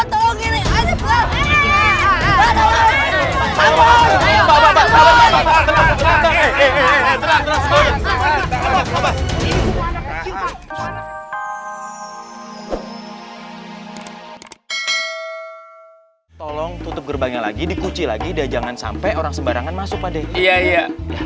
tolong tutup gerbangnya lagi dikunci lagi dan jangan sampai orang sembarangan masuk adek iya